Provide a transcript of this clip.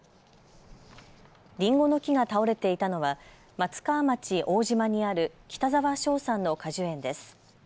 りんごの木が倒れていたのは松川町大島にある北沢章さんの果樹園です。